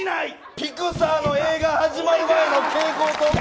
ピクサーの映画始まる前の蛍光灯か！